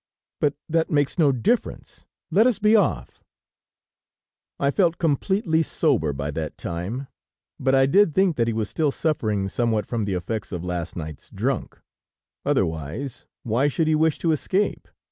"But that makes no difference; let us be off." I felt completely sober by that time, but I did think that he was still suffering somewhat from the effects of last night's drunk; otherwise, why should he wish to escape?